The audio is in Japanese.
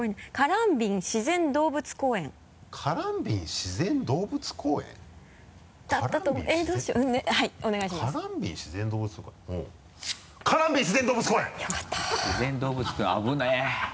「自然動物公園」危ない。